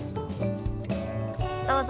どうぞ。